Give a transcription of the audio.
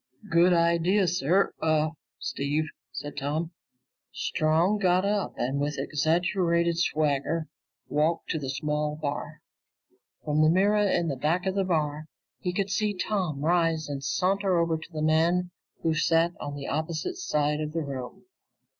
"Good idea, sir uh Steve," said Tom. Strong got up and with an exaggerated swagger walked to the small bar. From the mirror in back of the bar, he could see Tom rise and saunter over to the man who sat on the opposite side of the room.